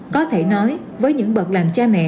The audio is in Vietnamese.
có thể nói với những bậc làm cha mẹ